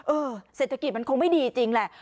เศรษฐกิจมันคงไม่ดีจริงแหละ